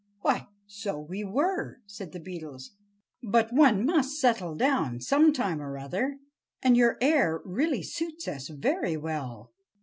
"Why, so we were!" said the Beetles. "But one must settle down some time or other, and your air really suits us very well."